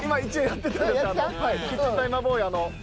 キッチンタイマーボーイあの。